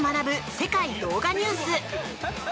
世界動画ニュース」。